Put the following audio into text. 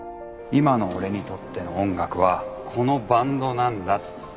今の俺にとっての音楽はこのバンドなんだって思った。